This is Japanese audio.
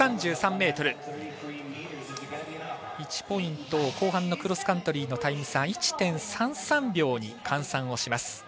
１ポイント後半のクロスカントリータイム差が１．３３秒に換算をします。